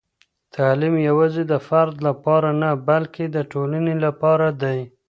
تعلیم یوازې د فرد لپاره نه، بلکې د ټولنې لپاره دی.